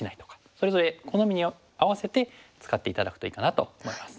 それぞれ好みに合わせて使って頂くといいかなと思います。